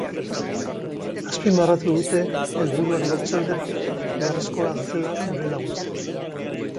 Azpimarratu dute, helburuak lortze aldera, beharrezkoa dutela gure laguntza.